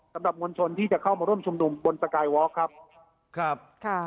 สำหรับมวลชนที่จะเข้ามาร่วมชุมนุมบนสกายวอล์กครับครับค่ะ